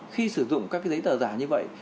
khi sử dụng các giấy tờ giả như vậy